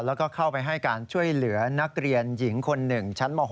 แล้วก็เข้าไปให้การช่วยเหลือนักเรียนหญิงคนหนึ่งชั้นม๖